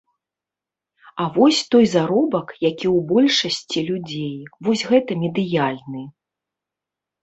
А вось той заробак, які ў большасці людзей, вось гэта медыяльны.